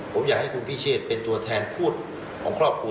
ผมอยากให้คุณพิเชษเป็นตัวแทนพูดของครอบครัว